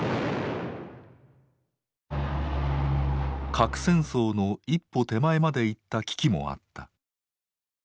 核戦争の一歩手前までいった危機もあった。